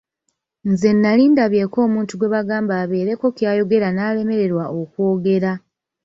Nze nnali ndabyeko omuntu gwe bagamba abeereko ky'ayogera n'alemererwa okwogera.